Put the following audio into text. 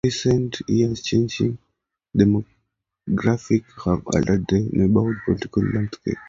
In recent years, changing demographics have altered the neighborhood's political landscape.